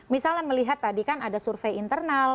misalnya melihat tadi kan ada survei internal